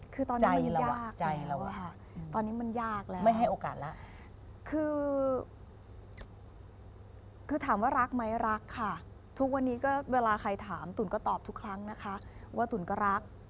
คือตอนนี้ยากใจแล้วอะค่ะตอนนี้มันยากแล้วไม่ให้โอกาสแล้วคือถามว่ารักไหมรักค่ะทุกวันนี้ก็เวลาใครถามตุ๋นก็ตอบทุกครั้งนะคะว่าตุ๋นก็รัก